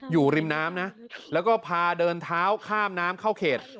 อยู่ริมน้ำนะแล้วก็พาเดินเท้าข้ามน้ำเข้าเขต